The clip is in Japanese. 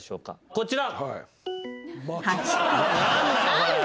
こちら。